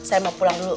saya mau pulang dulu